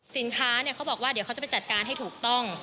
เขาบอกว่าเดี๋ยวเขาจะไปจัดการให้ถูกต้อง